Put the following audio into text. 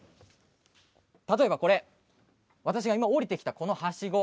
例えば、私が今下りてきたこのはしご